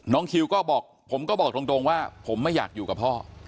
คิวก็บอกผมก็บอกตรงว่าผมไม่อยากอยู่กับพ่อ